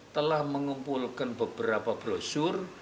telah mengumpulkan beberapa brosur